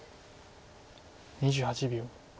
２８秒。